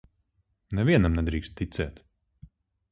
Nevienam nedrīkst ticēt.